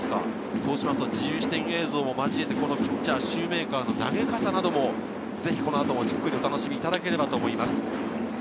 自由視点映像も交えて、ピッチャーシューメーカーの投げ方なども、じっくりお楽しみいただければと思います。